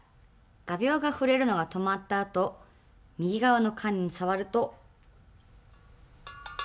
画びょうが振れるのが止まったあと右側の缶に触ると。